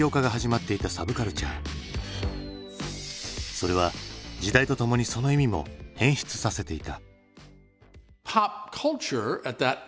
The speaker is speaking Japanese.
それは時代とともにその意味も変質させていた。